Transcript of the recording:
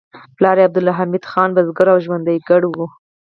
پلار یې عبدالحمید خان بزګر او ژرندګړی و